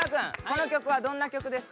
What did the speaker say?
この曲はどんな曲ですか？